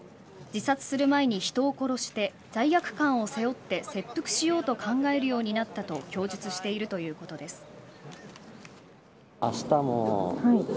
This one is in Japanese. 自殺する前に人を殺して罪悪感を背負って切腹しようと考えるようになったと供述しているということです。